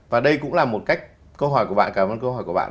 và đây cũng là một cách câu hỏi của bạn cảm ơn câu hỏi của bạn